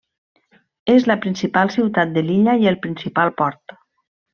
És la principal ciutat de l'illa i el principal port.